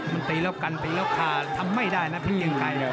มันตีแล้วกันตีแล้วขาดทำไม่ได้นะพี่เกงไข